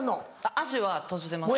足は閉じてます。